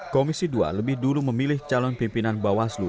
komisi dua lebih dulu memilih calon pimpinan bawaslu